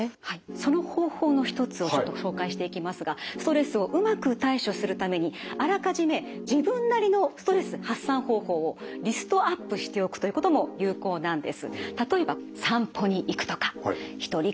その方法の一つをちょっと紹介していきますがストレスをうまく対処するためにあらかじめ自分なりのストレス発散方法をリストアップしておくということも有効なんです。